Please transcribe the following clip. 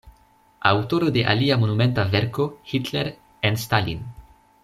Aŭtoro de alia monumenta verko "Hitler and Stalin.